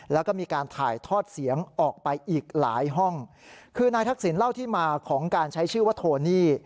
แล้วก็มีการถ่ายทอดเสียงออกไปอีกหลายห้องคือนายทักษิณเล่าที่มาของการใช้ชื่อว่าโทนี่